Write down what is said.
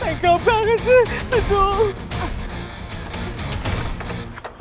tega banget sih